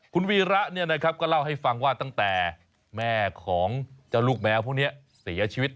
คุณวีระก็เล่าให้ฟังว่าตั้งแต่แม่ของเจ้าลูกแมวพวกนี้เสียชีวิต